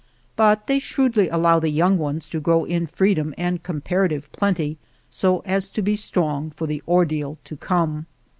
But they shrewdly allow the young ones to grow in freedom and comparative plenty so as to be strong for the ordeal to come.